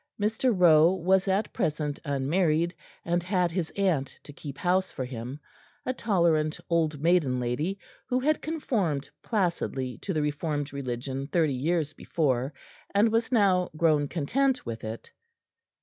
Mr. Rowe was at present unmarried, and had his aunt to keep house for him, a tolerant old maiden lady who had conformed placidly to the Reformed Religion thirty years before, and was now grown content with it.